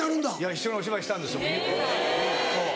一緒にお芝居したんですよそう。